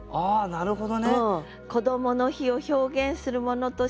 なるほど。